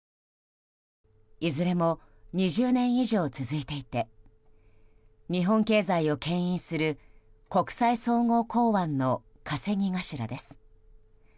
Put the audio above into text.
いずれも２０年以上続いていて日本経済を牽引する国際総合港湾の稼ぎ頭です。